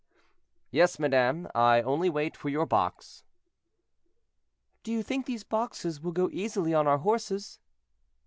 "Yes, madame, I only wait for your box." "Do you think these boxes will go easily on our horses?"